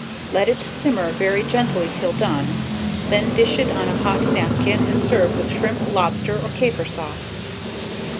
Let it simmer very gently till done; then dish it on a hot napkin, and serve with shrimp, lobster, or caper sauce.